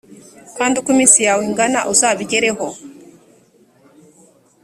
kandi uko iminsi yawe ingana uzabigereho.